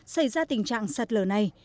xây ra tình trạng sạt lở này